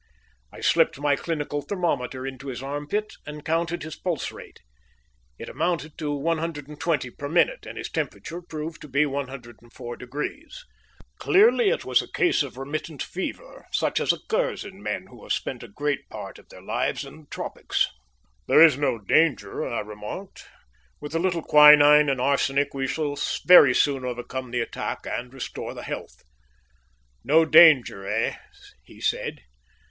I slipped my clinical thermometer into his armpit and counted his pulse rate. It amounted to 120 per minute, and his temperature proved to be 104 degrees. Clearly it was a case of remittent fever, such as occurs in men who have spent a great part of their lives in the tropics. "There is no danger," I remarked. "With a little quinine and arsenic we shall very soon overcome the attack and restore his health." "No danger, eh?" he said.